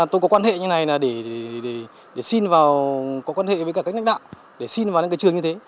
tôi có quan hệ như này để xin vào có quan hệ với các lãnh đạo để xin vào những trường như thế